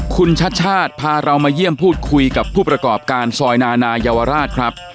คุณชัดชาติพาเรามาเยี่ยมพูดคุยกับผู้ประกอบการซอยนานายวราชครับ